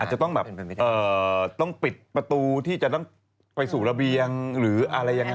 จะต้องแบบต้องปิดประตูที่จะต้องไปสู่ระเบียงหรืออะไรยังไง